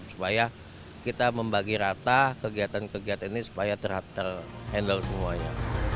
supaya kita membagi rata kegiatan kegiatan ini supaya ter handle semuanya